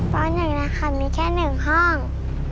ตัวหนึ่งนะคะมีแค่หนึ่งห้อง